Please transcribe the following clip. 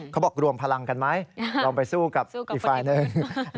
รวมพลังกันไหมลองไปสู้กับอีกฝ่ายหนึ่ง